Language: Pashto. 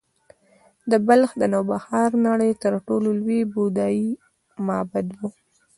د بلخ نوبهار د نړۍ تر ټولو لوی بودايي معبد و